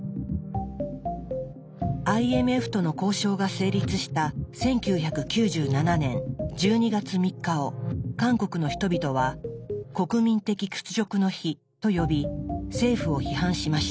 ＩＭＦとの交渉が成立した１９９７年１２月３日を韓国の人々は「国民的屈辱の日」と呼び政府を批判しました。